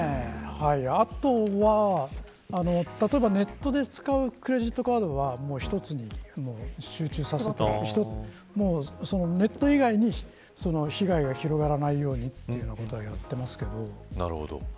あとは、ネットで使うクレジットカードは１つに集中させてネット以外に被害が広がらないようにということはやってますけど。